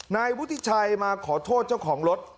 นายวุฒิชัยมาขอโทษเจ้าของรถ